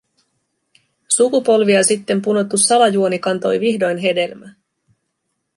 Sukupolvia sitten punottu salajuoni kantoi vihdoin hedelmää.